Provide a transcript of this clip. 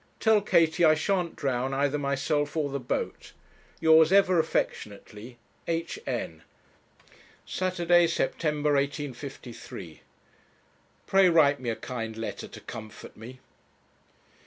Tell Katie I shan't drown either myself or the boat. 'Yours ever affectionately, 'H. N. 'Saturday, September, 185 . 'Pray write me a kind letter to comfort me.'